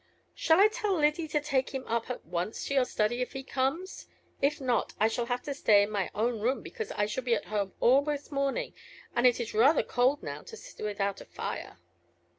"Shall I tell Lyddy to take him up at once to your study if he comes? If not, I shall have to stay in my own room, because I shall be at home all this morning, and it is rather cold now to sit without a fire."